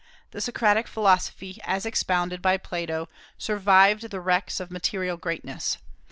The Socratic philosophy, as expounded by Plato, survived the wrecks of material greatness.